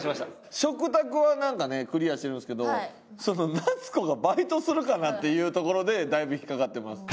食卓はなんかねクリアしてるんですけど夏子がバイトするかな？っていうところでだいぶ引っかかってます。